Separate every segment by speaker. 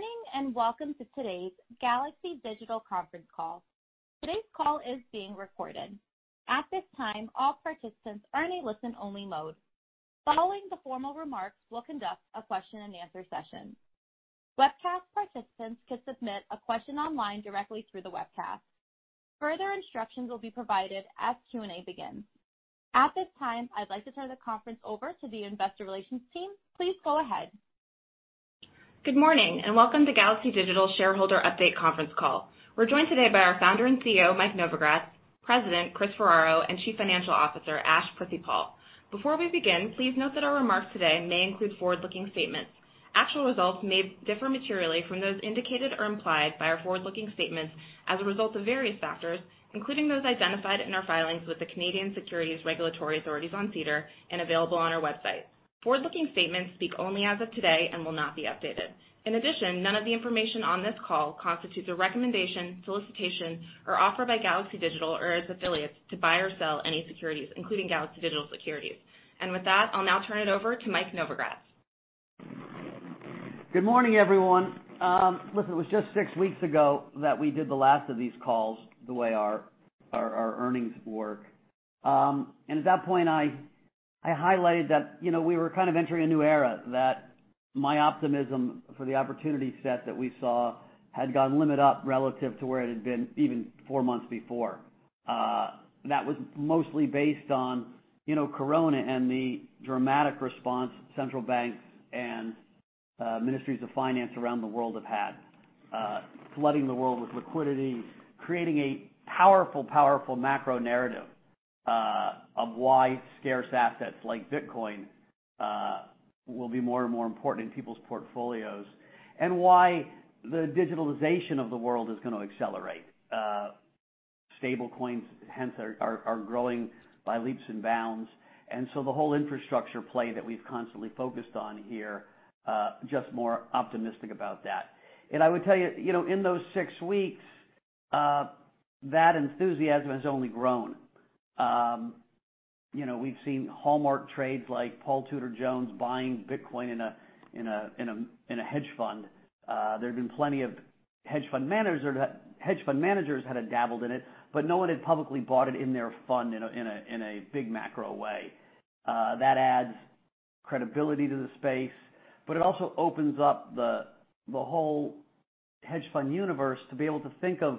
Speaker 1: Good morning and welcome to today's Galaxy Digital Conference call. Today's call is being recorded. At this time, all participants are in a listen-only mode. Following the formal remarks, we'll conduct a question-and-answer session. Webcast participants can submit a question online directly through the webcast. Further instructions will be provided as Q&A begins. At this time, I'd like to turn the conference over to the investor relations team. Please go ahead. Good morning and welcome to Galaxy Digital Shareholder Update Conference call. We're joined today by our founder and CEO, Mike Novogratz, President, Chris Ferraro, and Chief Financial Officer, Ash Prithipaul. Before we begin, please note that our remarks today may include forward-looking statements. Actual results may differ materially from those indicated or implied by our forward-looking statements as a result of various factors, including those identified in our filings with the Canadian Securities Regulatory Authorities on SEDAR and available on our website. Forward-looking statements speak only as of today and will not be updated. In addition, none of the information on this call constitutes a recommendation, solicitation, or offer by Galaxy Digital or its affiliates to buy or sell any securities, including Galaxy Digital Securities. And with that, I'll now turn it over to Mike Novogratz.
Speaker 2: Good morning, everyone. Listen, it was just six weeks ago that we did the last of these calls the way our earnings work, and at that point, I highlighted that we were kind of entering a new era, that my optimism for the opportunity set that we saw had gone limit up relative to where it had been even four months before. That was mostly based on Corona and the dramatic response central banks and ministries of finance around the world have had, flooding the world with liquidity, creating a powerful, powerful macro narrative of why scarce assets like Bitcoin will be more and more important in people's portfolios, and why the digitalization of the world is going to accelerate. Stablecoins, hence, are growing by leaps and bounds, and so the whole infrastructure play that we've constantly focused on here, just more optimistic about that. And I would tell you, in those six weeks, that enthusiasm has only grown. We've seen hallmark trades like Paul Tudor Jones buying Bitcoin in a hedge fund. There have been plenty of hedge fund managers that had dabbled in it, but no one had publicly bought it in their fund in a big macro way. That adds credibility to the space, but it also opens up the whole hedge fund universe to be able to think of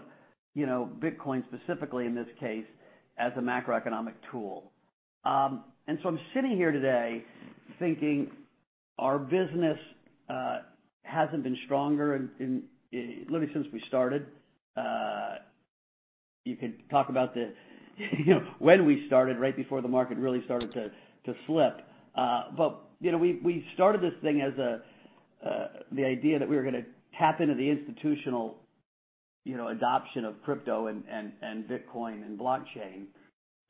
Speaker 2: Bitcoin specifically in this case as a macroeconomic tool. And so I'm sitting here today thinking, our business hasn't been stronger really since we started. You could talk about when we started right before the market really started to slip. But we started this thing as the idea that we were going to tap into the institutional adoption of crypto and Bitcoin and blockchain.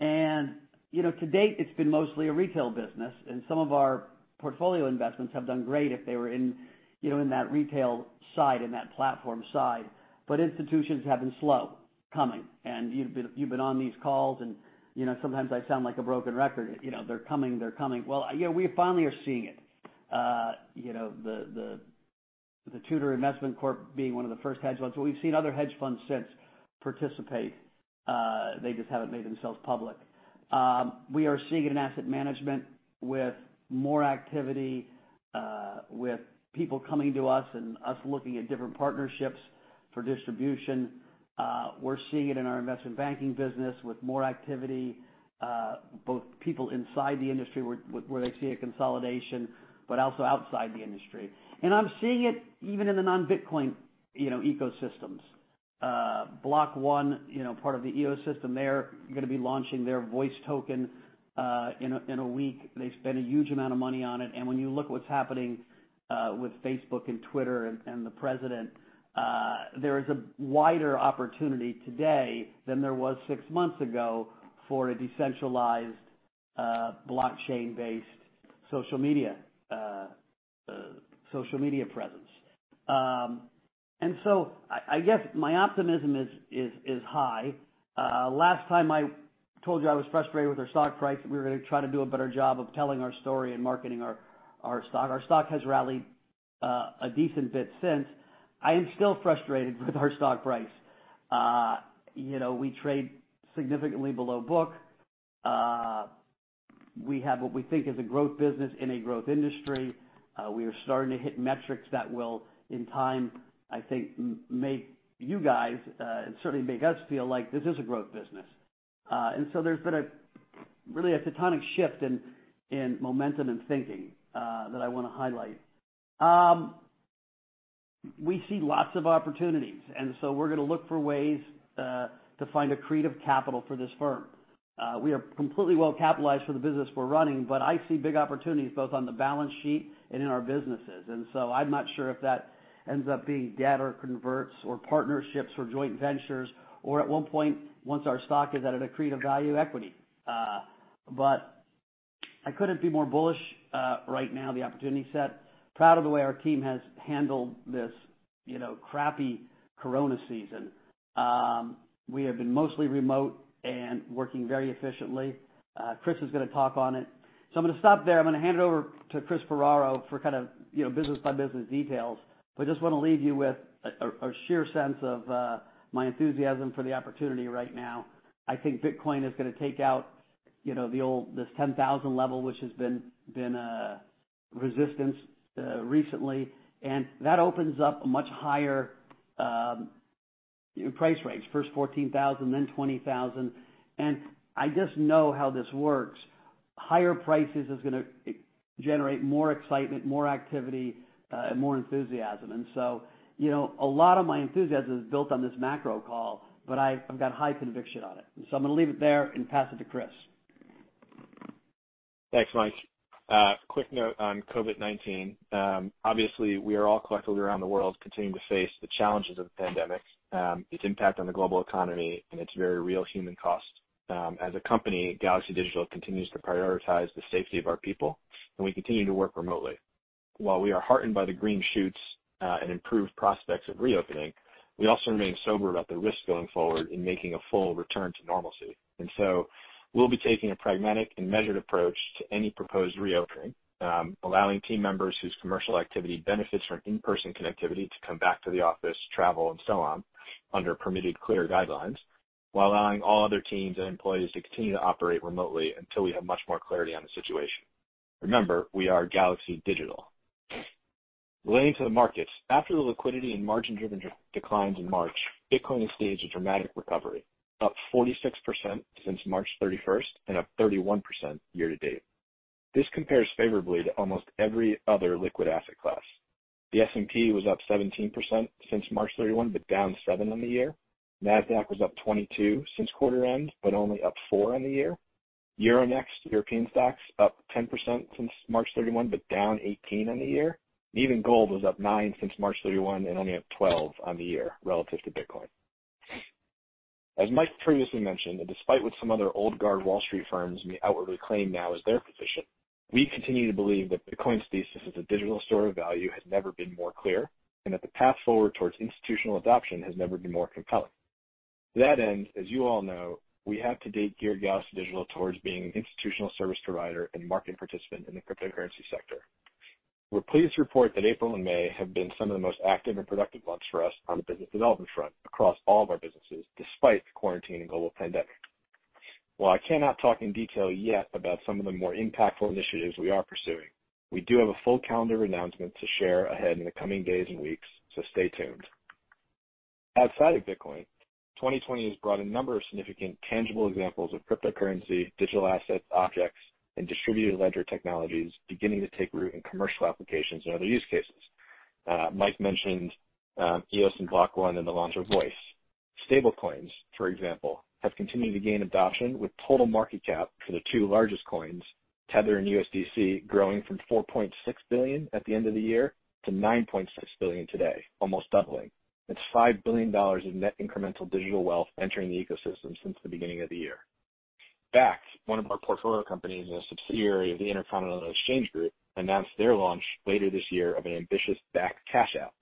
Speaker 2: To date, it's been mostly a retail business, and some of our portfolio investments have done great if they were in that retail side, in that platform side. Institutions have been slow coming. You've been on these calls, and sometimes I sound like a broken record. They're coming, they're coming. We finally are seeing it. The Tudor Investment Corporation being one of the first hedge funds. We've seen other hedge funds since participate. They just haven't made themselves public. We are seeing it in asset management with more activity, with people coming to us and us looking at different partnerships for distribution. We're seeing it in our investment banking business with more activity, both people inside the industry where they see a consolidation, but also outside the industry. I'm seeing it even in the non-Bitcoin ecosystems. Block.one, part of the EOS system, they're going to be launching their Voice token in a week. They spent a huge amount of money on it, and when you look at what's happening with Facebook and Twitter and the president, there is a wider opportunity today than there was six months ago for a decentralized blockchain-based social media presence, and so I guess my optimism is high. Last time I told you I was frustrated with our stock price; we were going to try to do a better job of telling our story and marketing our stock. Our stock has rallied a decent bit since. I am still frustrated with our stock price. We trade significantly below book. We have what we think is a growth business in a growth industry. We are starting to hit metrics that will, in time, I think, make you guys and certainly make us feel like this is a growth business. And so there's been really a tectonic shift in momentum and thinking that I want to highlight. We see lots of opportunities, and so we're going to look for ways to find accretive capital for this firm. We are completely well-capitalized for the business we're running, but I see big opportunities both on the balance sheet and in our businesses. And so I'm not sure if that ends up being debt or converts or partnerships or joint ventures, or at one point, once our stock is at an accretive value equity. But I couldn't be more bullish right now, the opportunity set. Proud of the way our team has handled this crappy Corona season. We have been mostly remote and working very efficiently. Chris is going to talk on it. So I'm going to stop there. I'm going to hand it over to Chris Ferraro for kind of business-by-business details, but just want to leave you with a sheer sense of my enthusiasm for the opportunity right now. I think Bitcoin is going to take out this 10,000 level, which has been resistance recently, and that opens up a much higher price range, first 14,000, then 20,000, and I just know how this works. Higher prices are going to generate more excitement, more activity, and more enthusiasm, and so a lot of my enthusiasm is built on this macro call, but I've got high conviction on it, so I'm going to leave it there and pass it to Chris.
Speaker 3: Thanks, Mike. Quick note on COVID-19. Obviously, we are all collectively around the world continuing to face the challenges of the pandemic, its impact on the global economy, and its very real human cost. As a company, Galaxy Digital continues to prioritize the safety of our people, and we continue to work remotely. While we are heartened by the green shoots and improved prospects of reopening, we also remain sober about the risk going forward in making a full return to normalcy, and so we'll be taking a pragmatic and measured approach to any proposed reopening, allowing team members whose commercial activity benefits from in-person connectivity to come back to the office, travel, and so on under permitted clear guidelines, while allowing all other teams and employees to continue to operate remotely until we have much more clarity on the situation. Remember, we are Galaxy Digital. Relating to the markets, after the liquidity and margin-driven declines in March, Bitcoin has staged a dramatic recovery, up 46% since March 31st and up 31% year-to-date. This compares favorably to almost every other liquid asset class. The S&P was up 17% since March 31, but down 7% on the year. NASDAQ was up 22% since quarter-end, but only up 4% on the year. Euronext, European stocks, up 10% since March 31, but down 18% on the year. Even gold was up 9% since March 31 and only up 12% on the year relative to Bitcoin. As Mike previously mentioned, and despite what some other old guard Wall Street firms may outwardly claim now as their position, we continue to believe that Bitcoin's thesis as a digital store of value has never been more clear and that the path forward towards institutional adoption has never been more compelling. To that end, as you all know, we have to date geared Galaxy Digital towards being an institutional service provider and market participant in the cryptocurrency sector. We're pleased to report that April and May have been some of the most active and productive months for us on the business development front across all of our businesses, despite the quarantine and global pandemic. While I cannot talk in detail yet about some of the more impactful initiatives we are pursuing, we do have a full calendar of announcements to share ahead in the coming days and weeks, so stay tuned. Outside of Bitcoin, 2020 has brought a number of significant tangible examples of cryptocurrency, digital assets, objects, and distributed ledger technologies beginning to take root in commercial applications and other use cases. Mike mentioned EOS and Block.one and the launch of Voice. Stablecoins, for example, have continued to gain adoption with total market cap for the two largest coins, Tether and USDC, growing from $4.6 billion at the end of the year to $9.6 billion today, almost doubling. It's $5 billion of net incremental digital wealth entering the ecosystem since the beginning of the year. Bakkt, one of our portfolio companies and a subsidiary of the Intercontinental Exchange Group, announced their launch later this year of an ambitious Bakkt consumer app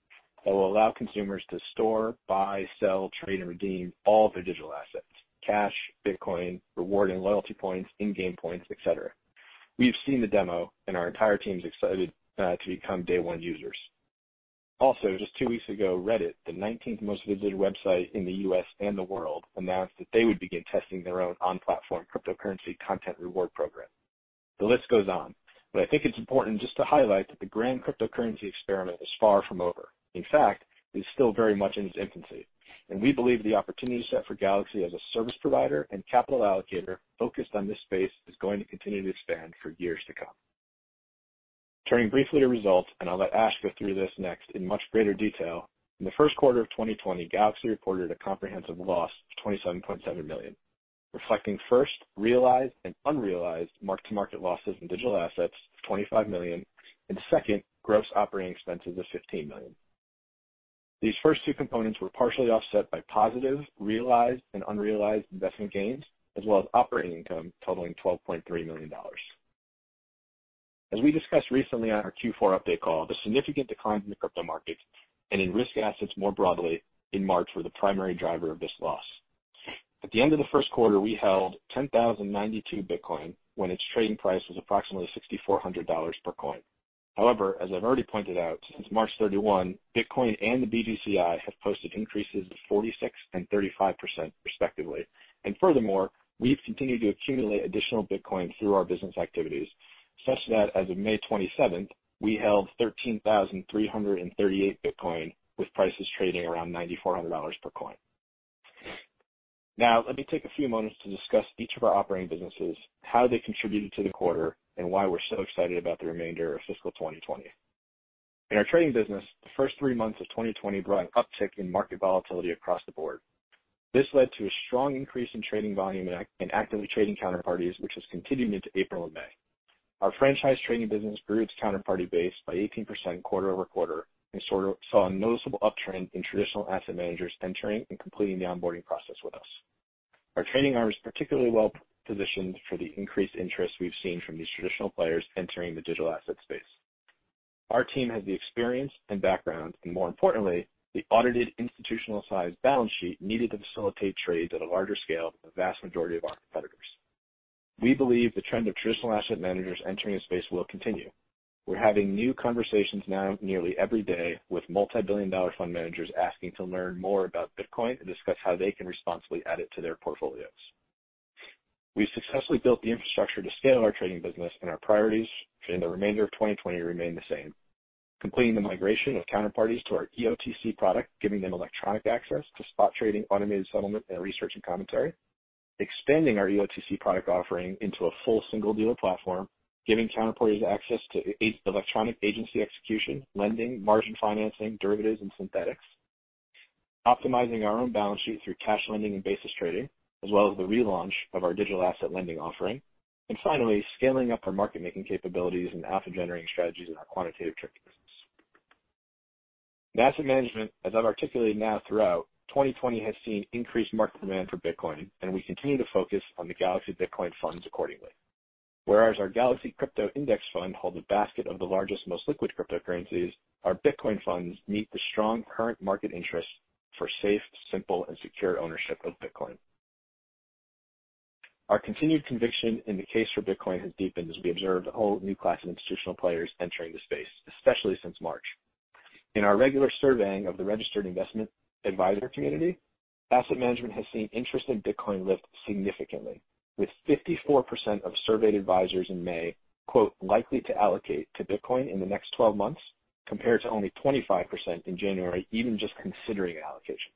Speaker 3: that will allow consumers to store, buy, sell, trade, and redeem all of their digital assets: cash, Bitcoin, reward and loyalty points, in-game points, etc. We've seen the demo, and our entire team is excited to become day-one users. Also, just two weeks ago, Reddit, the 19th most visited website in the U.S. and the world, announced that they would begin testing their own on-platform cryptocurrency content reward program. The list goes on, but I think it's important just to highlight that the grand cryptocurrency experiment is far from over. In fact, it is still very much in its infancy. And we believe the opportunity set for Galaxy as a service provider and capital allocator focused on this space is going to continue to expand for years to come. Turning briefly to results, and I'll let Ash go through this next in much greater detail, in the first quarter of 2020, Galaxy reported a comprehensive loss of $27.7 million, reflecting first realized and unrealized mark-to-market losses in digital assets of $25 million and second gross operating expenses of $15 million. These first two components were partially offset by positive realized and unrealized investment gains, as well as operating income totaling $12.3 million. As we discussed recently on our Q4 update call, the significant decline in the crypto markets and in risk assets more broadly in March were the primary driver of this loss. At the end of the first quarter, we held 10,092 Bitcoin when its trading price was approximately $6,400 per coin. However, as I've already pointed out, since March 31, Bitcoin and the BGCI have posted increases of 46% and 35%, respectively, and furthermore, we've continued to accumulate additional Bitcoin through our business activities, such that as of May 27th, we held 13,338 Bitcoin with prices trading around $9,400 per coin. Now, let me take a few moments to discuss each of our operating businesses, how they contributed to the quarter, and why we're so excited about the remainder of fiscal 2020. In our trading business, the first three months of 2020 brought an uptick in market volatility across the board. This led to a strong increase in trading volume in actively trading counterparties, which has continued into April and May. Our franchise trading business grew its counterparty base by 18% quarter over quarter and saw a noticeable uptrend in traditional asset managers entering and completing the onboarding process with us. Our trading arm is particularly well positioned for the increased interest we've seen from these traditional players entering the digital asset space. Our team has the experience and background, and more importantly, the audited institutional-sized balance sheet needed to facilitate trades at a larger scale than the vast majority of our competitors. We believe the trend of traditional asset managers entering the space will continue. We're having new conversations now nearly every day with multi-billion-dollar fund managers asking to learn more about Bitcoin and discuss how they can responsibly add it to their portfolios. We've successfully built the infrastructure to scale our trading business, and our priorities for the remainder of 2020 remain the same, completing the migration of counterparties to our eOTC product, giving them electronic access to spot trading, automated settlement, and research and commentary, expanding our eOTC product offering into a full single dealer platform, giving counterparties access to electronic agency execution, lending, margin financing, derivatives, and synthetics, optimizing our own balance sheet through cash lending and basis trading, as well as the relaunch of our digital asset lending offering, and finally, scaling up our market-making capabilities and alpha-generating strategies in our quantitative trading business. Asset management, as I've articulated now throughout, 2020 has seen increased market demand for Bitcoin, and we continue to focus on the Galaxy Bitcoin Funds accordingly. Whereas our Galaxy Crypto Index Fund holds a basket of the largest, most liquid cryptocurrencies, our Bitcoin funds meet the strong current market interest for safe, simple, and secure ownership of Bitcoin. Our continued conviction in the case for Bitcoin has deepened as we observe a whole new class of institutional players entering the space, especially since March. In our regular surveying of the registered investment advisor community, asset management has seen interest in Bitcoin lift significantly, with 54% of surveyed advisors in May, "likely to allocate to Bitcoin in the next 12 months," compared to only 25% in January, even just considering an allocation.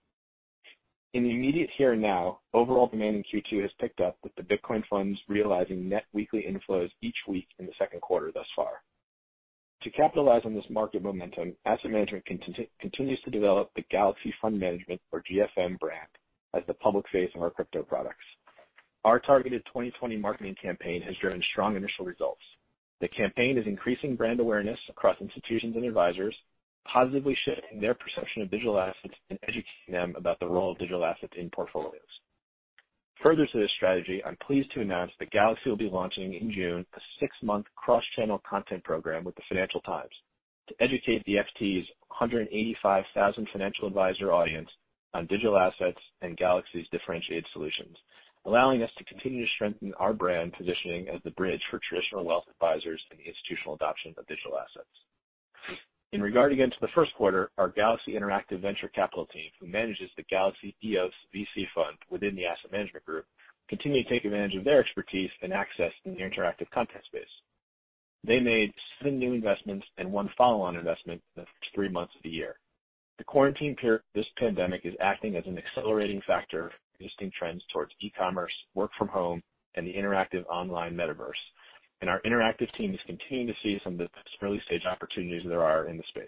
Speaker 3: In the immediate here and now, overall demand in Q2 has picked up with the Bitcoin funds realizing net weekly inflows each week in the second quarter thus far. To capitalize on this market momentum, asset management continues to develop the Galaxy Fund Management, or GFM, brand as the public face of our crypto products. Our targeted 2020 marketing campaign has driven strong initial results. The campaign is increasing brand awareness across institutions and advisors, positively shifting their perception of digital assets and educating them about the role of digital assets in portfolios. Further to this strategy, I'm pleased to announce that Galaxy will be launching in June a six-month cross-channel content program with the Financial Times to educate the FT's 185,000-financial advisor audience on digital assets and Galaxy's differentiated solutions, allowing us to continue to strengthen our brand positioning as the bridge for traditional wealth advisors and the institutional adoption of digital assets. In regard again to the first quarter, our Galaxy Interactive Venture Capital team, who manages the Galaxy EOS VC Fund within the Asset Management Group, continue to take advantage of their expertise and access in the interactive content space. They made seven new investments and one follow-on investment in the first three months of the year. The quarantine period, this pandemic is acting as an accelerating factor for existing trends towards e-commerce, work from home, and the interactive online metaverse, and our interactive team is continuing to see some of the early-stage opportunities there are in the space.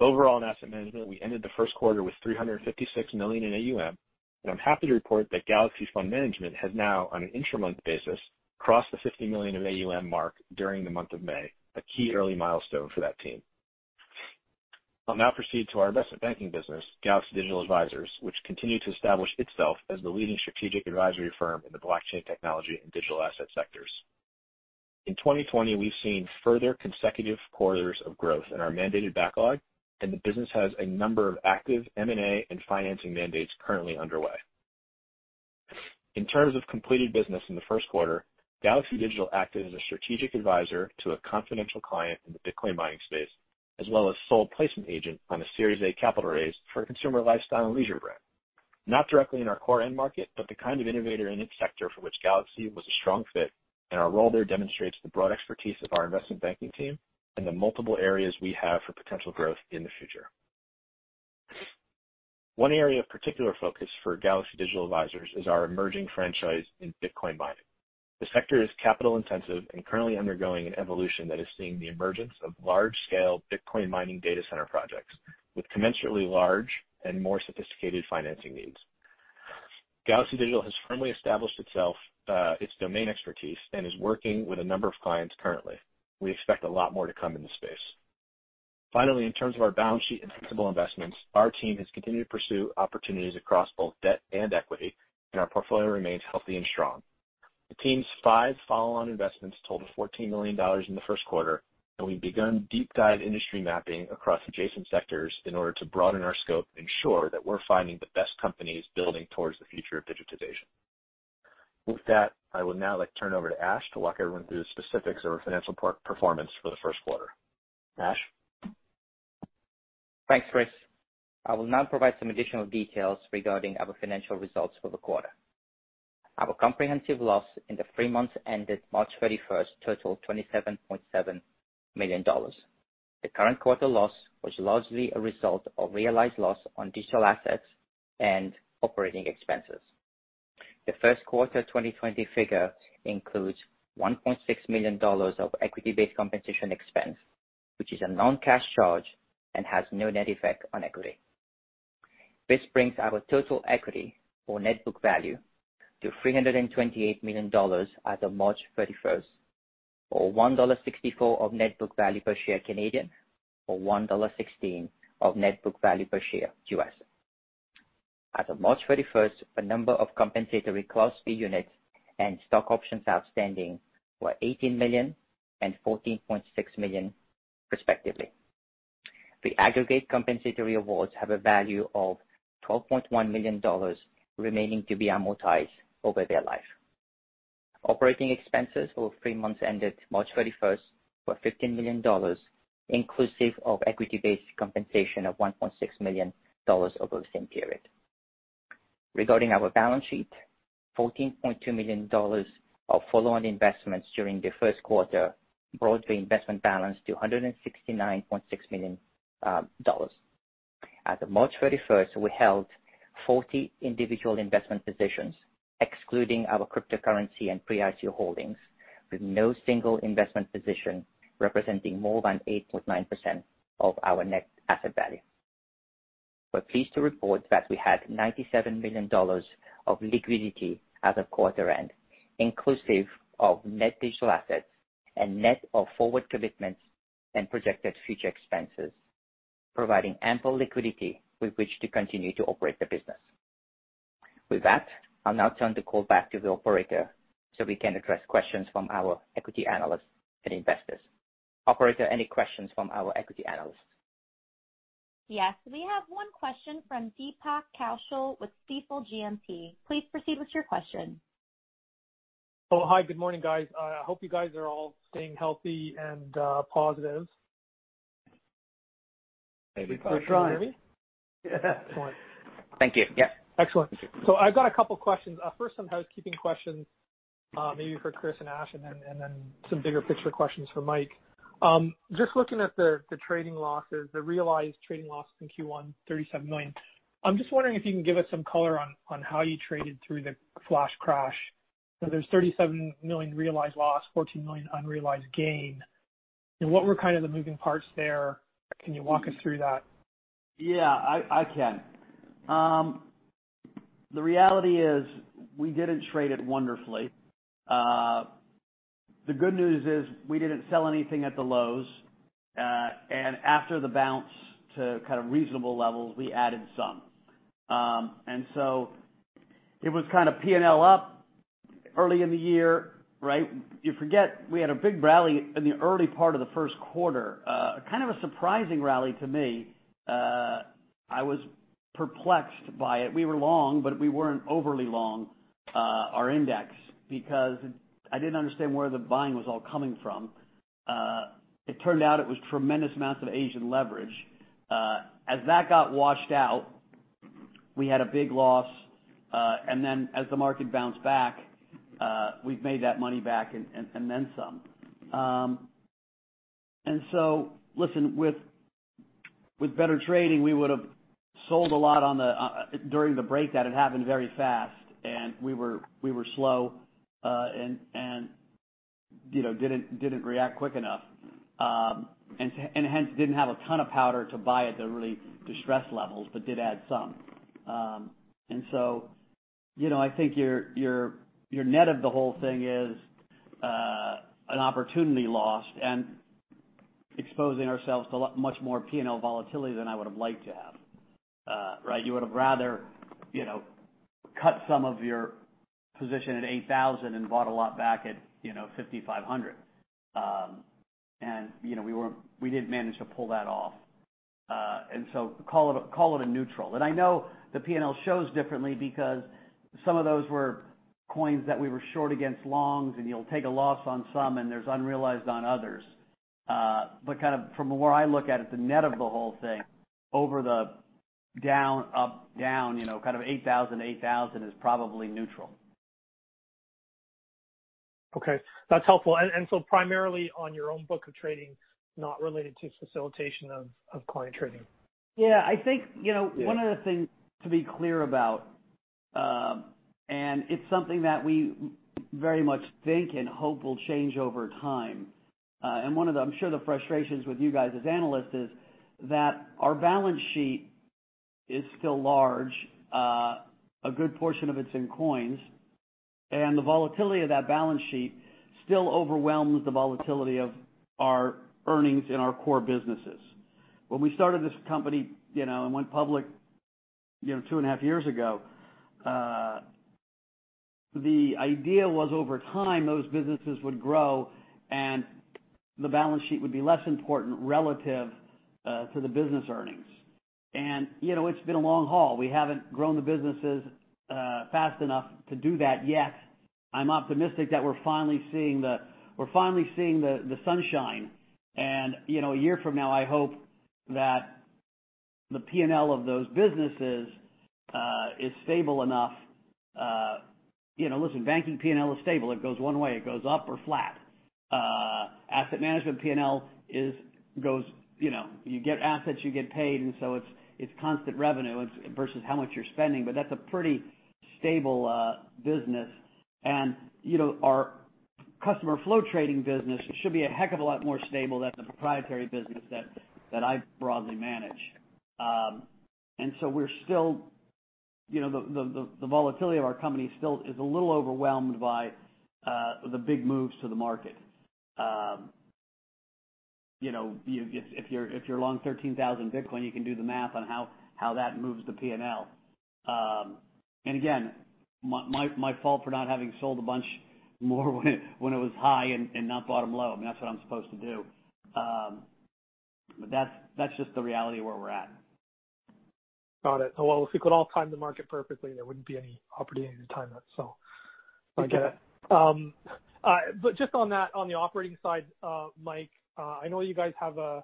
Speaker 3: Overall in asset management, we ended the first quarter with $356 million in AUM, and I'm happy to report that Galaxy Fund Management has now, on an interim month basis, crossed the $50 million of AUM mark during the month of May, a key early milestone for that team. I'll now proceed to our investment banking business, Galaxy Digital Advisors, which continues to establish itself as the leading strategic advisory firm in the blockchain technology and digital asset sectors. In 2020, we've seen further consecutive quarters of growth in our mandated backlog, and the business has a number of active M&A and financing mandates currently underway. In terms of completed business in the first quarter, Galaxy Digital acted as a strategic advisor to a confidential client in the Bitcoin mining space, as well as sole placement agent on a Series A capital raise for a consumer lifestyle and leisure brand. Not directly in our core end market, but the kind of innovator in its sector for which Galaxy was a strong fit, and our role there demonstrates the broad expertise of our investment banking team and the multiple areas we have for potential growth in the future. One area of particular focus for Galaxy Digital Advisors is our emerging franchise in Bitcoin mining. The sector is capital-intensive and currently undergoing an evolution that is seeing the emergence of large-scale Bitcoin mining data center projects with commensurately large and more sophisticated financing needs. Galaxy Digital has firmly established itself, its domain expertise, and is working with a number of clients currently. We expect a lot more to come in the space. Finally, in terms of our balance sheet and principal investments, our team has continued to pursue opportunities across both debt and equity, and our portfolio remains healthy and strong. The team's five follow-on investments total $14 million in the first quarter, and we've begun deep-dive industry mapping across adjacent sectors in order to broaden our scope and ensure that we're finding the best companies building towards the future of digitization. With that, I would now like to turn it over to Ash to walk everyone through the specifics of our financial performance for the first quarter. Ash?
Speaker 4: Thanks, Chris. I will now provide some additional details regarding our financial results for the quarter. Our comprehensive loss in the three months ended March 31st totaled $27.7 million. The current quarter loss was largely a result of realized loss on digital assets and operating expenses. The first quarter 2020 figure includes $1.6 million of equity-based compensation expense, which is a non-cash charge and has no net effect on equity. This brings our total equity or net book value to $328 million as of March 31st, or 1.64 dollar of net book value per share, or $1.16 of net book value per share. As of March 31st, the number of compensatory Class B Units and stock options outstanding were $18 million and $14.6 million, respectively. The aggregate compensatory awards have a value of $12.1 million remaining to be amortized over their life. Operating expenses for the three months ended March 31st were $15 million, inclusive of equity-based compensation of $1.6 million over the same period. Regarding our balance sheet, $14.2 million of follow-on investments during the first quarter brought the investment balance to $169.6 million. As of March 31st, we held 40 individual investment positions, excluding our cryptocurrency and pre-ICO holdings, with no single investment position representing more than 8.9% of our net asset value. We're pleased to report that we had $97 million of liquidity as of quarter end, inclusive of net digital assets and net of forward commitments and projected future expenses, providing ample liquidity with which to continue to operate the business. With that, I'll now turn the call back to the operator so we can address questions from our equity analysts and investors. Operator, any questions from our equity analysts?
Speaker 1: Yes, we have one question from Deepak Kaushal with Stifel GMP. Please proceed with your question.
Speaker 5: Oh, hi. Good morning, guys. I hope you guys are all staying healthy and positive.
Speaker 3: Hey, Deepak.
Speaker 2: We're trying.
Speaker 5: Excellent.
Speaker 4: Thank you. Yeah.
Speaker 5: Excellent. So I've got a couple of questions. First, some housekeeping questions, maybe for Chris and Ash, and then some bigger picture questions for Mike. Just looking at the trading losses, the realized trading loss in Q1, $37 million. I'm just wondering if you can give us some color on how you traded through the flash crash. So there's $37 million realized loss, $14 million unrealized gain. What were kind of the moving parts there? Can you walk us through that?
Speaker 2: Yeah, I can. The reality is we didn't trade it wonderfully. The good news is we didn't sell anything at the lows, and after the bounce to kind of reasonable levels, we added some. And so it was kind of P&L up early in the year, right? You forget we had a big rally in the early part of the first quarter, kind of a surprising rally to me. I was perplexed by it. We were long, but we weren't overly long, our index, because I didn't understand where the buying was all coming from. It turned out it was tremendous amounts of Asian leverage. As that got washed out, we had a big loss, and then as the market bounced back, we've made that money back and then some. And so, listen, with better trading, we would have sold a lot during the breakdown. It happened very fast, and we were slow and didn't react quick enough, and hence didn't have a ton of powder to buy at the really distressed levels but did add some. And so I think your net of the whole thing is an opportunity lost and exposing ourselves to much more P&L volatility than I would have liked to have, right? You would have rather cut some of your position at 8,000 and bought a lot back at 5,500. And we didn't manage to pull that off. And so call it a neutral. And I know the P&L shows differently because some of those were coins that we were short against longs, and you'll take a loss on some, and there's unrealized on others. But kind of from where I look at it, the net of the whole thing over the down, up, down, kind of $8,000-$8,000 is probably neutral.
Speaker 5: Okay. That's helpful, and so primarily on your own book of trading, not related to facilitation of client trading?
Speaker 2: Yeah. I think one of the things to be clear about, and it's something that we very much think and hope will change over time. And one of the, I'm sure, the frustrations with you guys as analysts is that our balance sheet is still large. A good portion of it's in coins, and the volatility of that balance sheet still overwhelms the volatility of our earnings in our core businesses. When we started this company and went public two and a half years ago, the idea was over time those businesses would grow and the balance sheet would be less important relative to the business earnings. And it's been a long haul. We haven't grown the businesses fast enough to do that yet. I'm optimistic that we're finally seeing the sunshine. And a year from now, I hope that the P&L of those businesses is stable enough. Listen, banking P&L is stable. It goes one way. It goes up or flat. Asset management P&L goes, you get assets, you get paid, and so it's constant revenue versus how much you're spending, but that's a pretty stable business, and our customer flow trading business should be a heck of a lot more stable than the proprietary business that I broadly manage, and so we're still the volatility of our company still is a little overwhelmed by the big moves to the market. If you're long 13,000 Bitcoin, you can do the math on how that moves the P&L, and again, my fault for not having sold a bunch more when it was high and not bottom low. I mean, that's what I'm supposed to do, but that's just the reality of where we're at.
Speaker 5: Got it. Well, if we could all time the market perfectly, there wouldn't be any opportunity to time that, so I get it. But just on the operating side, Mike, I know you guys have a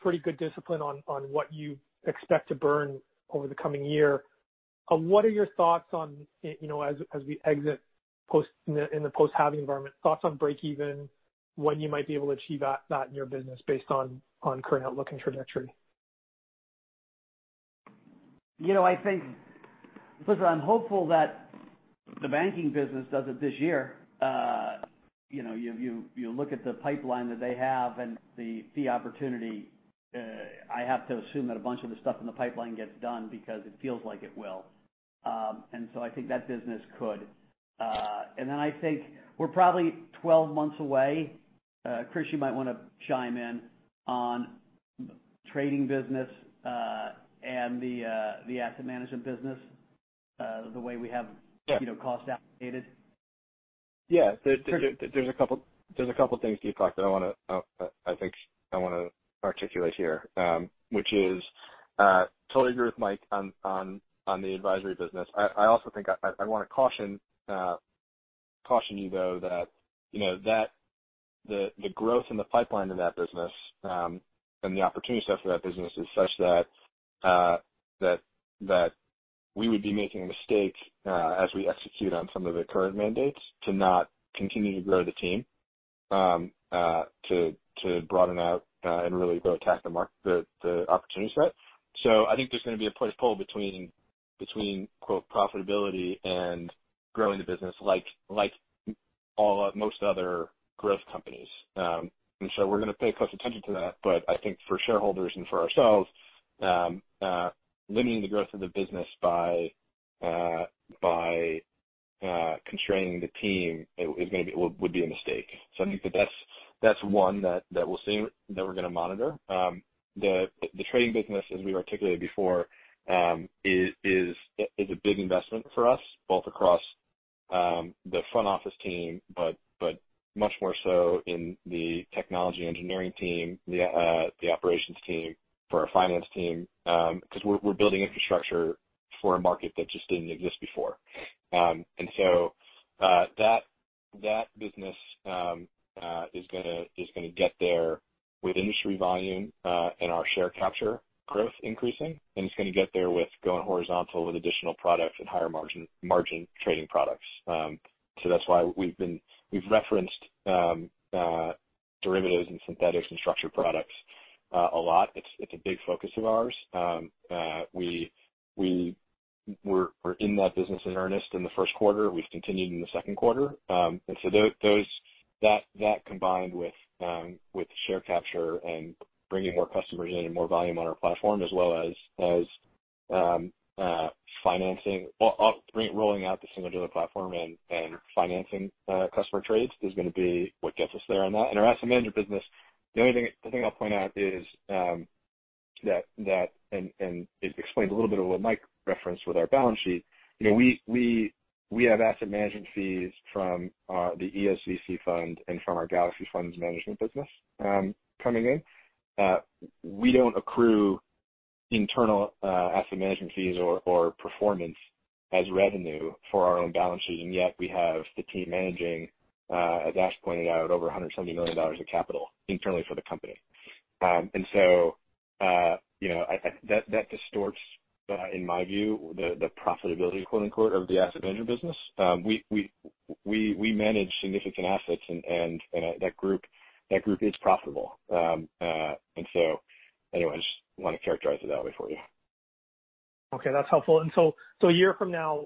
Speaker 5: pretty good discipline on what you expect to burn over the coming year. What are your thoughts on, as we exit in the post-halving environment, thoughts on breakeven, when you might be able to achieve that in your business based on current outlook and trajectory?
Speaker 2: I think, listen, I'm hopeful that the banking business does it this year. You look at the pipeline that they have and the opportunity. I have to assume that a bunch of the stuff in the pipeline gets done because it feels like it will. And so I think that business could. And then I think we're probably 12 months away. Chris, you might want to chime in on trading business and the asset management business the way we have cost allocated.
Speaker 3: Yeah. There's a couple of things, Deepak, that I think I want to articulate here, which is totally agree with Mike on the advisory business. I also think I want to caution you, though, that the growth in the pipeline of that business and the opportunity stuff for that business is such that we would be making a mistake as we execute on some of the current mandates to not continue to grow the team, to broaden out and really go attack the opportunity set. So I think there's going to be a push-pull between "profitability" and growing the business like most other growth companies. And so we're going to pay close attention to that. But I think for shareholders and for ourselves, limiting the growth of the business by constraining the team would be a mistake. I think that that's one that we'll see that we're going to monitor. The trading business, as we articulated before, is a big investment for us, both across the front office team, but much more so in the technology engineering team, the operations team, for our finance team, because we're building infrastructure for a market that just didn't exist before. That business is going to get there with industry volume and our share capture growth increasing, and it's going to get there with going horizontal with additional products and higher margin trading products. That's why we've referenced derivatives and synthetics and structured products a lot. It's a big focus of ours. We were in that business in earnest in the first quarter. We've continued in the second quarter. That combined with share capture and bringing more customers in and more volume on our platform, as well as financing, rolling out the single dealer platform and financing customer trades is going to be what gets us there on that. Our asset management business, the only thing I'll point out is that, and it explains a little bit of what Mike referenced with our balance sheet, we have asset management fees from the EOS VC fund and from our Galaxy Fund Management business coming in. We don't accrue internal asset management fees or performance as revenue for our own balance sheet, and yet we have the team managing, as Ash pointed out, over $170 million of capital internally for the company. That distorts, in my view, the "profitability" of the asset management business. We manage significant assets, and that group is profitable. And so anyway, I just want to characterize it that way for you.
Speaker 5: Okay. That's helpful. And so a year from now,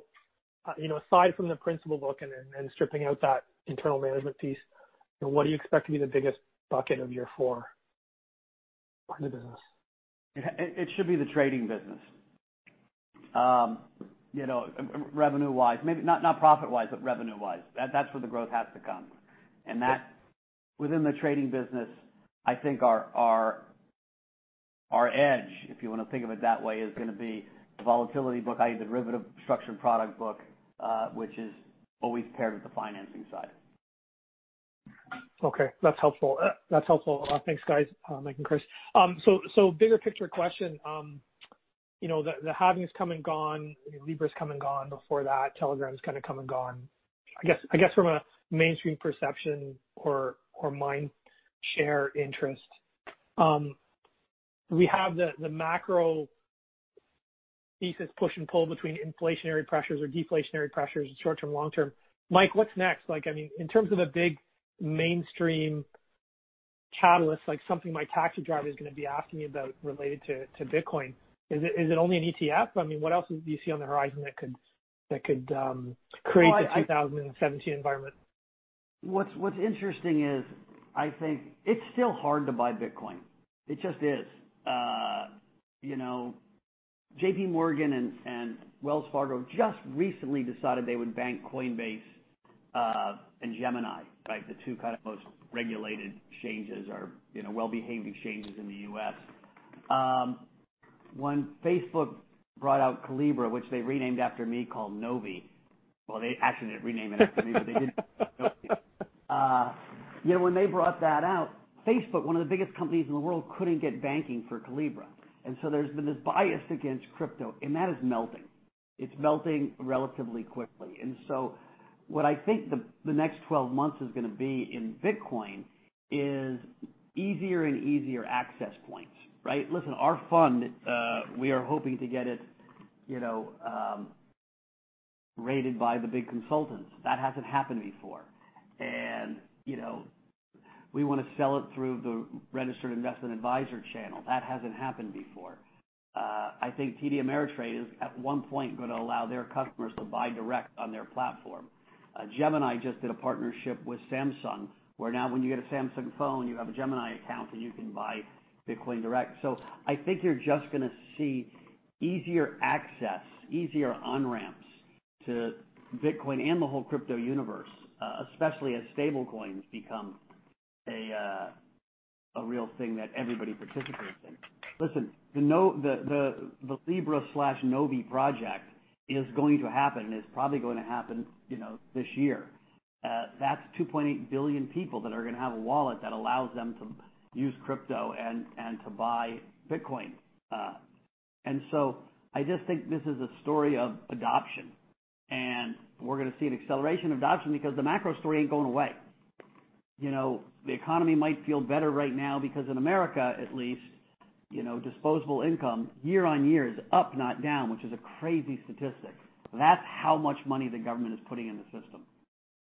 Speaker 5: aside from the principal book and stripping out that internal management piece, what do you expect to be the biggest bucket of year four in the business?
Speaker 2: It should be the trading business, revenue-wise. Not profit-wise, but revenue-wise. That's where the growth has to come. And within the trading business, I think our edge, if you want to think of it that way, is going to be the volatility book, i.e., derivative structured product book, which is always paired with the financing side.
Speaker 5: Okay. That's helpful. That's helpful. Thanks, guys, Mike and Chris. So bigger picture question, the halving's come and gone, Libra's come and gone before that, Telegram's kind of come and gone. I guess from a mainstream perception or mind share interest, we have the macro thesis push and pull between inflationary pressures or deflationary pressures, short-term, long-term. Mike, what's next? I mean, in terms of a big mainstream catalyst, something my taxi driver is going to be asking about related to Bitcoin, is it only an ETF? I mean, what else do you see on the horizon that could create the 2017 environment?
Speaker 2: What's interesting is, I think it's still hard to buy Bitcoin. It just is. JPMorgan and Wells Fargo just recently decided they would bank Coinbase and Gemini, right? The two kind of most regulated exchanges or well-behaved exchanges in the U.S. When Facebook brought out Calibra, which they renamed after me called Novi. Well, they actually didn't rename it after me, but they didn't. When they brought that out, Facebook, one of the biggest companies in the world, couldn't get banking for Calibra, and so there's been this bias against crypto, and that is melting. It's melting relatively quickly, and so what I think the next 12 months is going to be in Bitcoin is easier and easier access points, right? Listen, our fund, we are hoping to get it rated by the big consultants. That hasn't happened before. We want to sell it through the registered investment advisor channel. That hasn't happened before. I think TD Ameritrade is, at one point, going to allow their customers to buy direct on their platform. Gemini just did a partnership with Samsung where now when you get a Samsung phone, you have a Gemini account, and you can buy Bitcoin direct. So I think you're just going to see easier access, easier on-ramps to Bitcoin and the whole crypto universe, especially as stablecoins become a real thing that everybody participates in. Listen, the Calibra/Novi project is going to happen and is probably going to happen this year. That's 2.8 billion people that are going to have a wallet that allows them to use crypto and to buy Bitcoin. And so I just think this is a story of adoption, and we're going to see an acceleration of adoption because the macro story ain't going away. The economy might feel better right now because in America, at least, disposable income year on year is up, not down, which is a crazy statistic. That's how much money the government is putting in the system.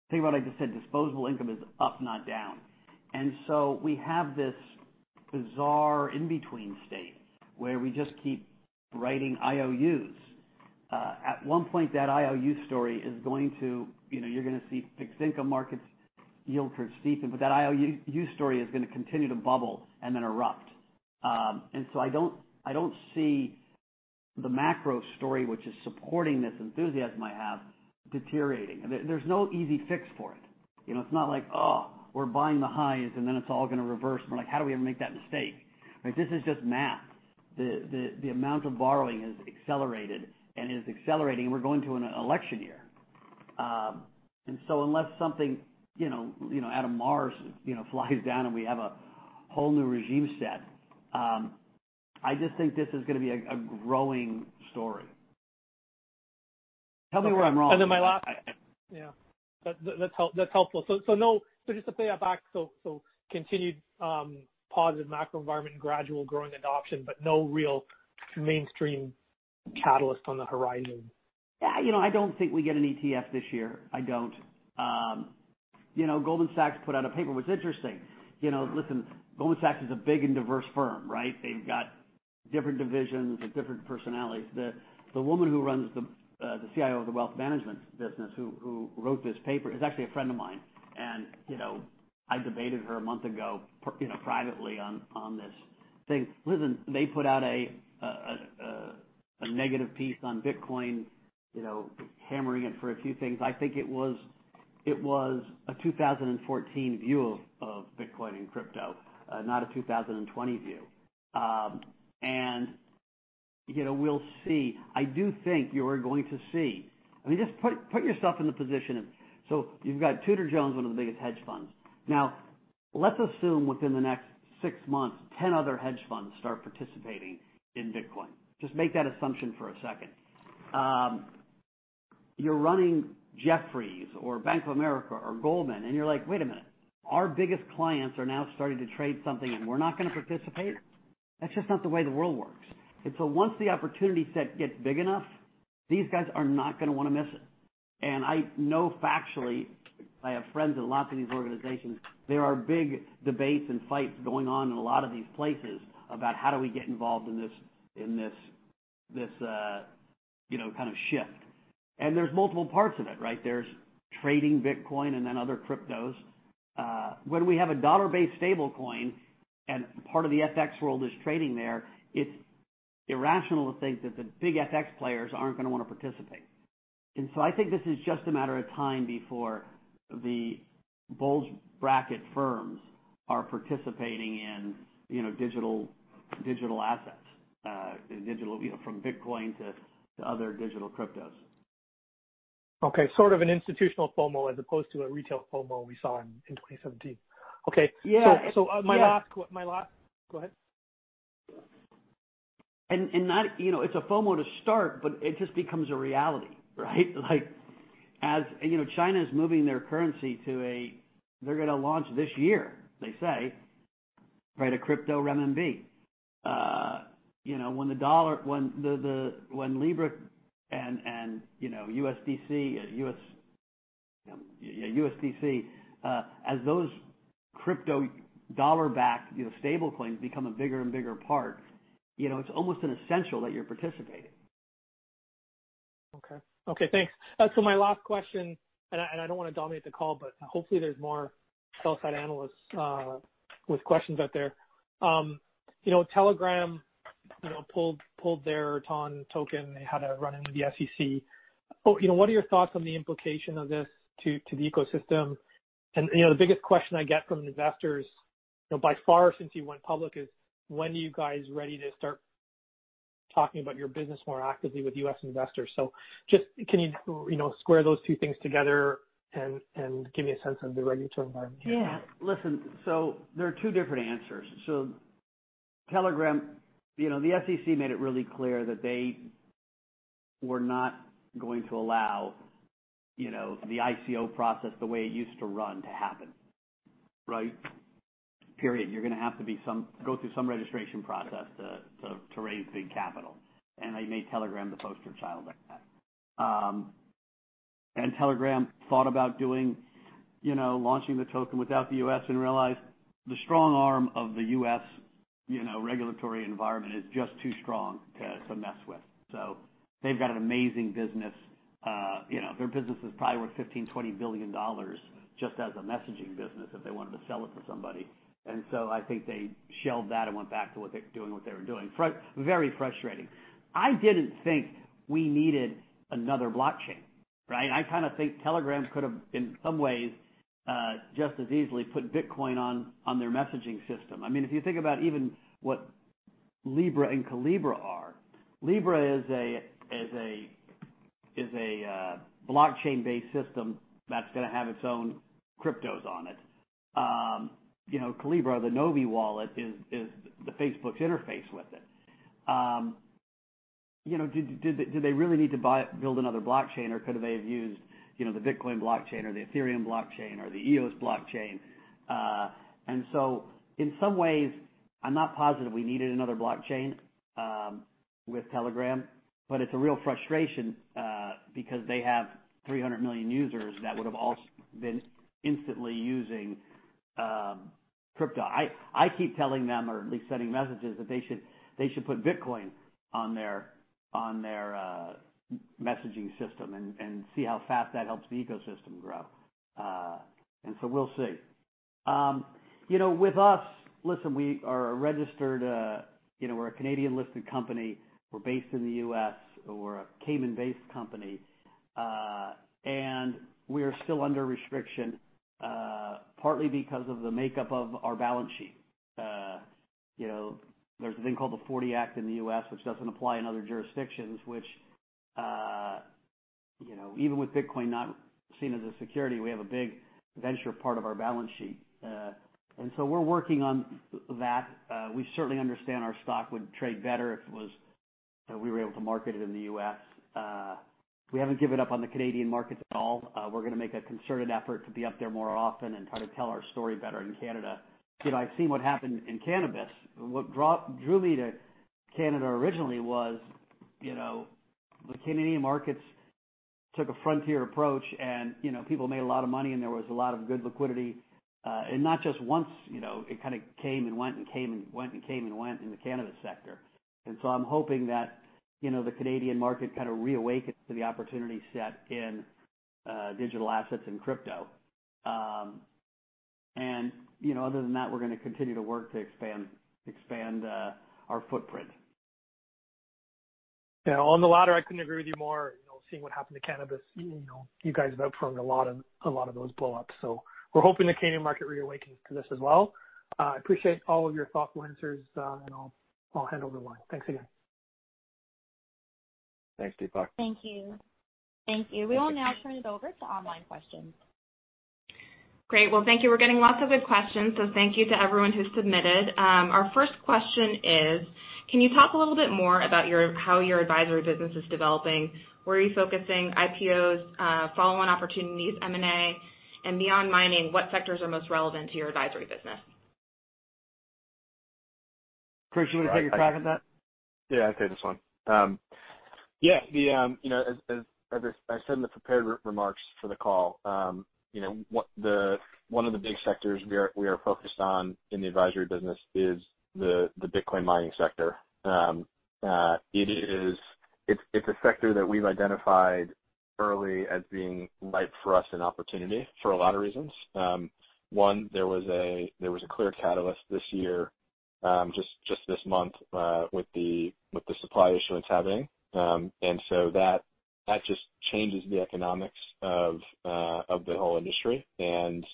Speaker 2: Think about it. I just said disposable income is up, not down. And so we have this bizarre in-between state where we just keep writing IOUs. At one point, that IOU story is going to. You're going to see fixed-income markets yield curves steepen, but that IOU story is going to continue to bubble and then erupt. And so I don't see the macro story, which is supporting this enthusiasm I have, deteriorating. There's no easy fix for it. It's not like, "Oh, we're buying the highs, and then it's all going to reverse," and we're like, "How do we ever make that mistake?" This is just math. The amount of borrowing has accelerated, and it is accelerating, and we're going to an election year, and so unless a dam bursts or Mars flies down and we have a whole new regime set, I just think this is going to be a growing story. Tell me where I'm wrong.
Speaker 5: And then my last. Yeah. That's helpful. So just to play it back, so continued positive macro environment and gradual growing adoption, but no real mainstream catalyst on the horizon.
Speaker 2: Yeah. I don't think we get an ETF this year. I don't. Goldman Sachs put out a paper, which is interesting. Listen, Goldman Sachs is a big and diverse firm, right? They've got different divisions and different personalities. The woman who runs the CIO of the wealth management business who wrote this paper is actually a friend of mine, and I debated her a month ago privately on this thing. Listen, they put out a negative piece on Bitcoin, hammering it for a few things. I think it was a 2014 view of Bitcoin and crypto, not a 2020 view, and we'll see. I do think you're going to see. I mean, just put yourself in the position. So you've got Tudor Jones, one of the biggest hedge funds. Now, let's assume within the next six months, 10 other hedge funds start participating in Bitcoin. Just make that assumption for a second. You're running Jefferies or Bank of America or Goldman, and you're like, "Wait a minute. Our biggest clients are now starting to trade something, and we're not going to participate?" That's just not the way the world works. And so once the opportunity set gets big enough, these guys are not going to want to miss it. And I know factually, I have friends in lots of these organizations, there are big debates and fights going on in a lot of these places about how do we get involved in this kind of shift. And there's multiple parts of it, right? There's trading Bitcoin and then other cryptos. When we have a dollar-based stablecoin and part of the FX world is trading there, it's irrational to think that the big FX players aren't going to want to participate. I think this is just a matter of time before the bulge bracket firms are participating in digital assets from Bitcoin to other digital cryptos.
Speaker 5: Okay. Sort of an institutional FOMO as opposed to a retail FOMO we saw in 2017. Okay, so my last go ahead.
Speaker 2: It's a FOMO to start, but it just becomes a reality, right? China is moving their currency to a—they're going to launch this year, they say, right, a crypto Renminbi. When Libra and USDC, as those crypto dollar-backed stablecoins, become a bigger and bigger part, it's almost an essential that you're participating.
Speaker 5: Okay. Thanks. So my last question, and I don't want to dominate the call, but hopefully there's more sell-side analysts with questions out there. Telegram pulled their TON token. They had a run-in with the SEC. What are your thoughts on the implication of this to the ecosystem? And the biggest question I get from investors by far since you went public is, when are you guys ready to start talking about your business more actively with U.S. investors? So just can you square those two things together and give me a sense of the regulatory environment here?
Speaker 2: Yeah. Listen, so there are two different answers. Telegram, the SEC made it really clear that they were not going to allow the ICO process the way it used to run to happen, right? Period. You're going to have to go through some registration process to raise big capital. I made Telegram the poster child of that. Telegram thought about launching the token without the U.S. and realized the strong arm of the U.S. regulatory environment is just too strong to mess with. They've got an amazing business. Their business is probably worth $15-20 billion just as a messaging business if they wanted to sell it to somebody. I think they shelved that and went back to doing what they were doing. Very frustrating. I didn't think we needed another blockchain, right? I kind of think Telegram could have, in some ways, just as easily put Bitcoin on their messaging system. I mean, if you think about even what Libra and Calibra are, Libra is a blockchain-based system that's going to have its own cryptos on it. Calibra, the Novi wallet, is Facebook's interface with it. Did they really need to build another blockchain, or could they have used the Bitcoin blockchain or the Ethereum blockchain or the EOS blockchain? And so in some ways, I'm not positive we needed another blockchain with Telegram, but it's a real frustration because they have 300 million users that would have also been instantly using crypto. I keep telling them, or at least sending messages, that they should put Bitcoin on their messaging system and see how fast that helps the ecosystem grow. And so we'll see. With us, listen, we are a registered we're a Canadian-listed company. We're based in the U.S. We're a Cayman-based company. And we are still under restriction, partly because of the makeup of our balance sheet. There's a thing called the 1940 Act in the U.S., which doesn't apply in other jurisdictions, which, even with Bitcoin not seen as a security, we have a big venture part of our balance sheet. And so we're working on that. We certainly understand our stock would trade better if we were able to market it in the U.S. We haven't given up on the Canadian markets at all. We're going to make a concerted effort to be up there more often and try to tell our story better in Canada. I've seen what happened in cannabis. What drew me to Canada originally was the Canadian markets took a frontier approach, and people made a lot of money, and there was a lot of good liquidity, and not just once. It kind of came and went and came and went and came and went in the cannabis sector, and so I'm hoping that the Canadian market kind of reawakens to the opportunity set in digital assets and crypto, and other than that, we're going to continue to work to expand our footprint.
Speaker 5: Yeah. On the latter, I couldn't agree with you more. Seeing what happened to cannabis, you guys have outperformed a lot of those blow-ups. So we're hoping the Canadian market reawakens to this as well. I appreciate all of your thoughtful answers, and I'll hand over the line. Thanks again.
Speaker 3: Thanks, Deepak.
Speaker 1: Thank you. Thank you. We will now turn it over to online questions. Great. Well, thank you. We're getting lots of good questions, so thank you to everyone who submitted. Our first question is, can you talk a little bit more about how your advisory business is developing? Where are you focusing? IPOs, follow-on opportunities, M&A, and beyond mining, what sectors are most relevant to your advisory business?
Speaker 2: Chris, you want to take a crack at that?
Speaker 3: Yeah. I'll take this one. Yeah. As I said in the prepared remarks for the call, one of the big sectors we are focused on in the advisory business is the Bitcoin mining sector. It's a sector that we've identified early as being ripe for us and opportunity for a lot of reasons. One, there was a clear catalyst this year, just this month, with the supply issue in Kazakhstan. And so that just changes the economics of the whole industry. And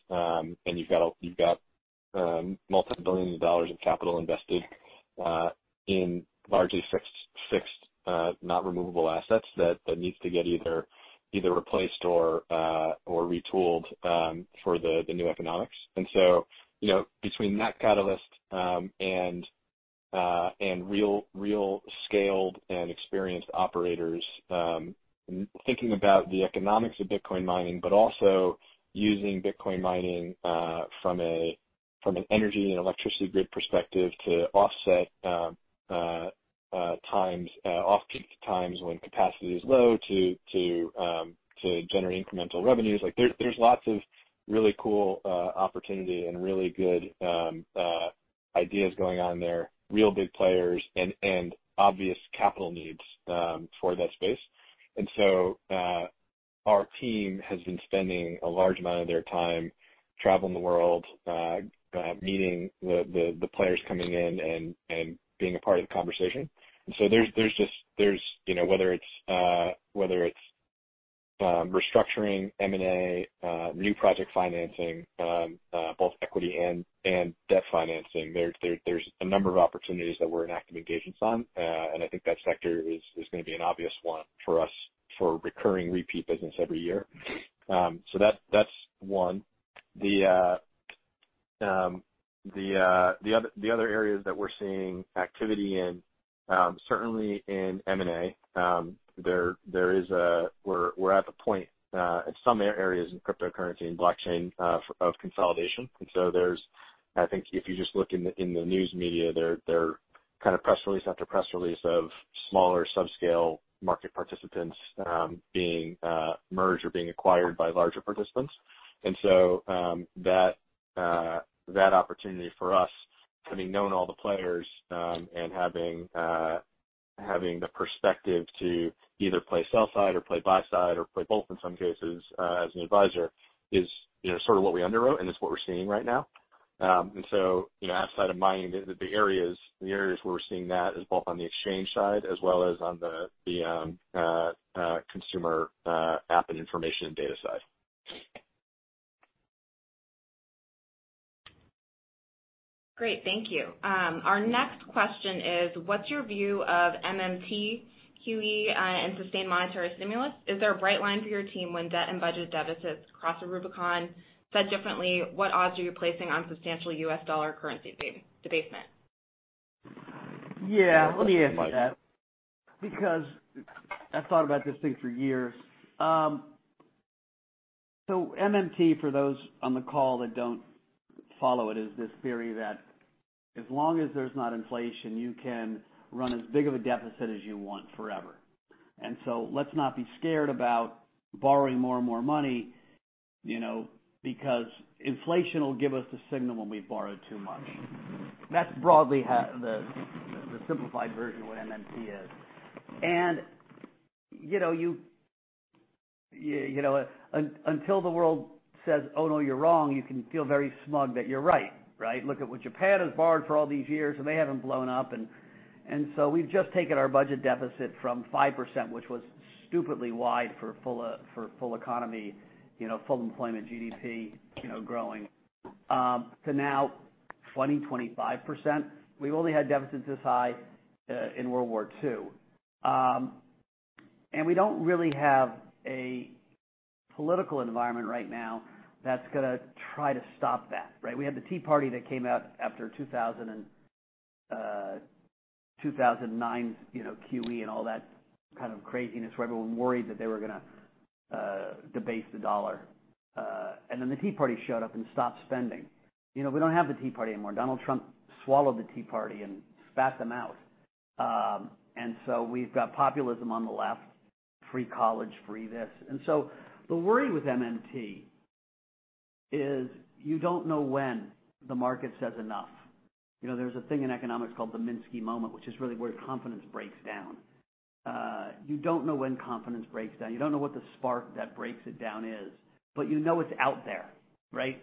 Speaker 3: you've got multi-billion dollars of capital invested in largely fixed, not removable assets that need to get either replaced or retooled for the new economics. And so between that catalyst and real-scaled and experienced operators, thinking about the economics of Bitcoin mining, but also using Bitcoin mining from an energy and electricity grid perspective to offset peak times when capacity is low to generate incremental revenues. There's lots of really cool opportunity and really good ideas going on there, real big players, and obvious capital needs for that space. And so our team has been spending a large amount of their time traveling the world, meeting the players coming in and being a part of the conversation. And so there's just whether it's restructuring, M&A, new project financing, both equity and debt financing, there's a number of opportunities that we're in active engagements on. And I think that sector is going to be an obvious one for us for recurring repeat business every year. So that's one. The other areas that we're seeing activity in, certainly in M&A, we're at the point in some areas in cryptocurrency and blockchain of consolidation. And so I think if you just look in the news media, they're kind of press release after press release of smaller subscale market participants being merged or being acquired by larger participants. And so that opportunity for us, having known all the players and having the perspective to either play sell-side or play buy-side or play both in some cases as an advisor, is sort of what we underwrote, and it's what we're seeing right now. And so outside of mining, the areas where we're seeing that is both on the exchange side as well as on the consumer app and information and data side.
Speaker 1: Great. Thank you. Our next question is, what's your view of MMT, QE, and sustained monetary stimulus? Is there a bright line for your team when debt and budget deficits cross the Rubicon? Said differently, what odds are you placing on substantial US dollar currency debasement?
Speaker 2: Yeah. Let me answer that. Because I've thought about this thing for years. So MMT, for those on the call that don't follow it, is this theory that as long as there's not inflation, you can run as big of a deficit as you want forever. And so let's not be scared about borrowing more and more money because inflation will give us the signal when we've borrowed too much. That's broadly the simplified version of what MMT is. And until the world says, "Oh, no, you're wrong," you can feel very smug that you're right, right? Look at what Japan has borrowed for all these years, and they haven't blown up. And so we've just taken our budget deficit from 5%, which was stupidly wide for full economy, full employment GDP growing, to now 20%-25%. We've only had deficits this high in World War II. We don't really have a political environment right now that's going to try to stop that, right? We had the Tea Party that came out after 2009's QE and all that kind of craziness where everyone worried that they were going to debase the dollar. And then the Tea Party showed up and stopped spending. We don't have the Tea Party anymore. Donald Trump swallowed the Tea Party and spat them out. And so we've got populism on the left, free college, free this. And so the worry with MMT is you don't know when the market says enough. There's a thing in economics called the Minsky moment, which is really where confidence breaks down. You don't know when confidence breaks down. You don't know what the spark that breaks it down is, but you know it's out there, right?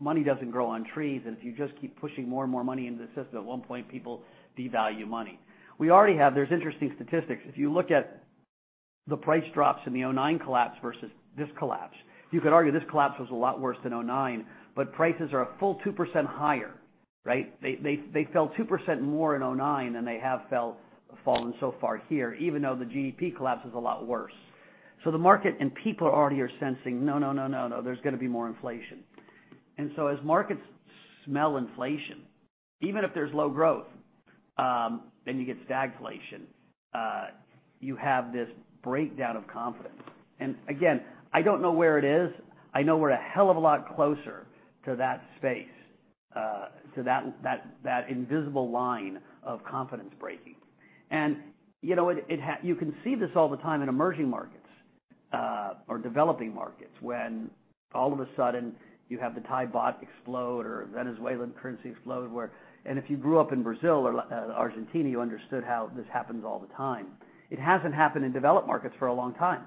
Speaker 2: Money doesn't grow on trees, and if you just keep pushing more and more money into the system, at one point, people devalue money. There's interesting statistics. If you look at the price drops in the 2009 collapse versus this collapse, you could argue this collapse was a lot worse than 2009, but prices are a full 2% higher, right? They fell 2% more in 2009 than they have fallen so far here, even though the GDP collapse is a lot worse. So the market and people already are sensing, "No, no, no, no, no. There's going to be more inflation." And so as markets smell inflation, even if there's low growth, then you get stagflation. You have this breakdown of confidence. And again, I don't know where it is. I know we're a hell of a lot closer to that space, to that invisible line of confidence breaking. You can see this all the time in emerging markets or developing markets when all of a sudden you have the Thai baht explode or Venezuelan currency explode. If you grew up in Brazil or Argentina, you understood how this happens all the time. It hasn't happened in developed markets for a long time.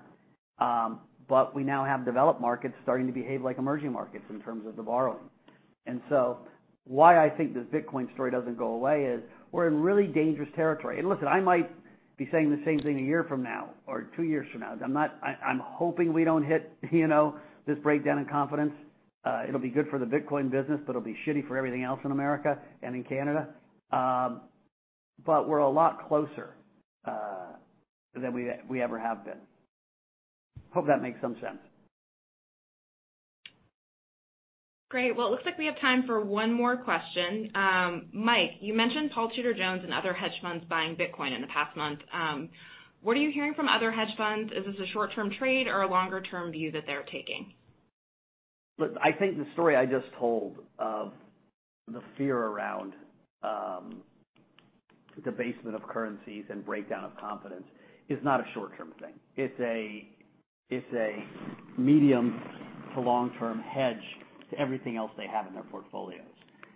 Speaker 2: We now have developed markets starting to behave like emerging markets in terms of the borrowing. So why I think the Bitcoin story doesn't go away is we're in really dangerous territory. Listen, I might be saying the same thing a year from now or two years from now. I'm hoping we don't hit this breakdown in confidence. It'll be good for the Bitcoin business, but it'll be shitty for everything else in America and in Canada. We're a lot closer than we ever have been. Hope that makes some sense. Great. Well, it looks like we have time for one more question. Mike, you mentioned Paul Tudor Jones and other hedge funds buying Bitcoin in the past month. What are you hearing from other hedge funds? Is this a short-term trade or a longer-term view that they're taking? Look, I think the story I just told of the fear around debasement of currencies and breakdown of confidence is not a short-term thing. It's a medium to long-term hedge to everything else they have in their portfolios.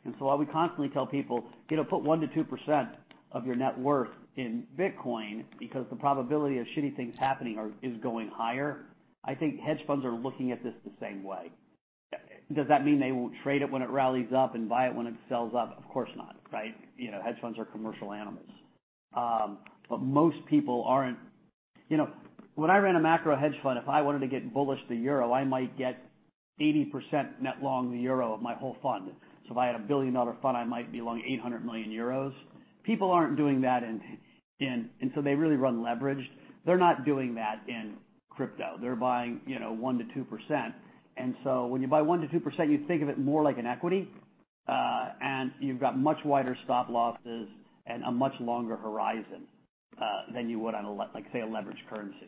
Speaker 2: And so while we constantly tell people, "Put 1%-2% of your net worth in Bitcoin because the probability of shitty things happening is going higher," I think hedge funds are looking at this the same way. Does that mean they won't trade it when it rallies up and buy it when it sells up? Of course not, right? Hedge funds are commercial animals. But most people aren't. When I ran a macro hedge fund, if I wanted to get bullish the euro, I might get 80% net long the euro of my whole fund. So if I had a $1 billion fund, I might be long 800 million euros. People aren't doing that in, and so they really run leveraged. They're not doing that in crypto. They're buying 1%-2%. And so when you buy 1%-2%, you think of it more like an equity, and you've got much wider stop losses and a much longer horizon than you would on, say, a leveraged currency.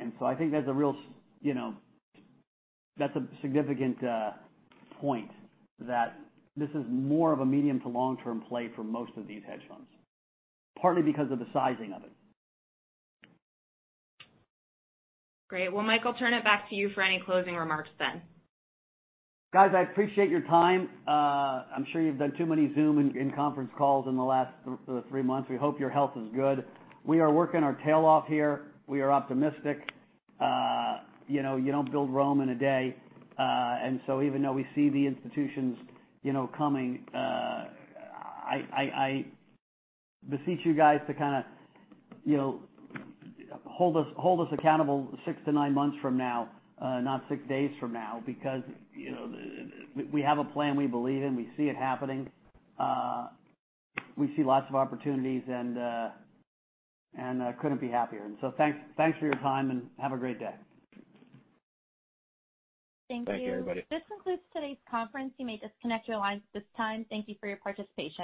Speaker 2: And so I think that's a significant point that this is more of a medium to long-term play for most of these hedge funds, partly because of the sizing of it.
Speaker 1: Great. Well, Mike, I'll turn it back to you for any closing remarks then.
Speaker 2: Guys, I appreciate your time. I'm sure you've done too many Zoom and conference calls in the last three months. We hope your health is good. We are working our tails off here. We are optimistic. You don't build Rome in a day. And so even though we see the institutions coming, I beseech you guys to kind of hold us accountable six to nine months from now, not six days from now, because we have a plan we believe in. We see it happening. We see lots of opportunities, and I couldn't be happier. And so thanks for your time, and have a great day.
Speaker 1: Thank you.
Speaker 3: Thank you, everybody.
Speaker 1: This concludes today's conference. You may disconnect your lines at this time. Thank you for your participation.